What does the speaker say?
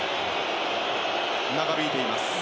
長引いています。